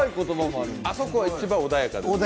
あそこが一番おだやかですね。